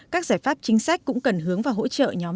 các giải pháp chính sách cũng cần hướng và hỗ trợ nhóm giải pháp trên